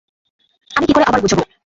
আমি কি আবার বুঝাবো?